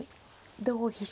同飛車